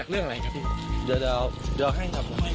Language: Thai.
ก็ได้มีการพูดอะไรกันต่อมาใหม่